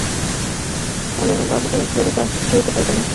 পানুবাবুকে ললিতা সহিতে পারিত না।